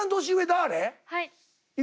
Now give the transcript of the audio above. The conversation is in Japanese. はい。